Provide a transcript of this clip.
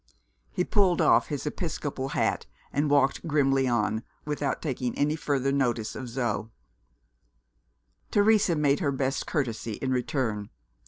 He pulled off his episcopal hat, and walked grimly on, without taking any further notice of Zo. Teresa made her best courtesy in return.